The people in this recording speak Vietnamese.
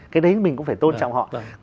cái đấy mình cũng phải tôn trọng họ